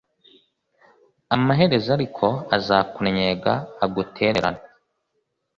amaherezo ariko azakunnyega, agutererane;